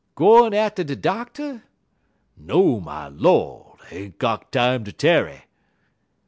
"'Gwine at' de doctor?' "'No, my Lord! Ain't got time ter tarry.'